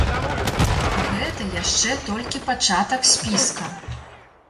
Гэта яшчэ толькі пачатак спіска.